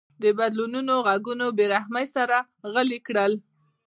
د بدلونونو غږونه په بې رحمۍ سره غلي کړل.